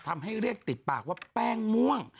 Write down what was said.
ทำให้เรียกติดปากว่าแป้งม่วง